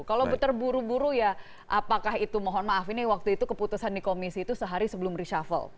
kalau terburu buru ya apakah itu mohon maaf ini waktu itu keputusan di komisi itu sehari sebelum reshuffle